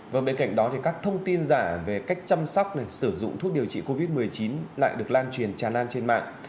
và bên cạnh đó thì các thông tin giả về cách chăm sóc để sử dụng thuốc điều trị covid một mươi chín lại được lan truyền tràn lan trên mạng